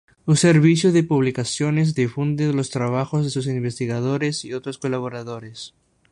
Su Servicio de Publicaciones difunde los trabajos de sus investigadores y otros colaboradores.